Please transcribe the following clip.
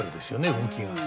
動きが。